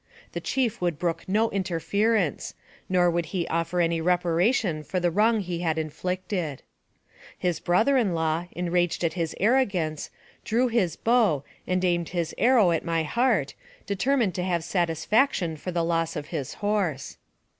The chief would brook no interference, nor would he offer any reparation for the wrong he had inflicted. His brother in law, enraged at his arrogance, drew AMONG THE SIOUX INDIANS. 67 his bow, and aimed his arrow at my heart, determined to have satisfaction for the loss of his horse.